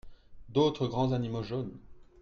D'autres grands animaux jaunes.